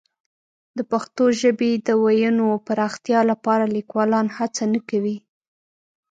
د پښتو ژبې د وییونو پراختیا لپاره لیکوالان هڅه نه کوي.